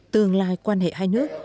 tương lai quan hệ hai nước